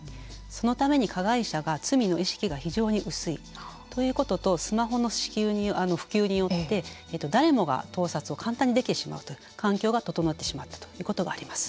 そのために加害者が罪の意識が非常に薄いということとスマホの普及によって誰もが盗撮を簡単にできてしまうという環境が整ってしまったということがあります。